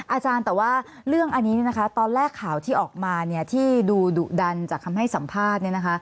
อาจารย์แต่ว่าเรื่องอันนี้ตอนแรกข่าวที่ออกมาที่ดูดุดันจากคำให้สัมภาษณ์